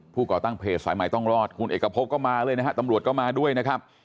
ก่อตั้งเพจสายใหม่ต้องรอดคุณเอกพบก็มาเลยนะฮะตำรวจก็มาด้วยนะครับ